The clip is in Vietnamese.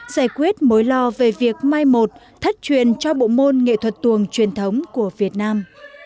giải quyết mối lo về việc mai một thất truyền cho bộ môn nghệ thuật tuồng truyền thống của việt nam